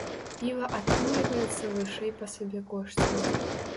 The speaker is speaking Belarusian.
Піва атрымліваецца вышэй па сабекошце.